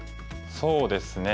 そうですね